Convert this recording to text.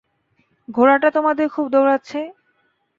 ঘোড়াটা তোমাদের খুব দৌড়াচ্ছে।